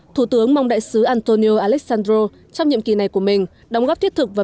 thủ tướng mong đại sứ antonio alessandro trong nhiệm kỳ này của mình đóng góp thiết thực vào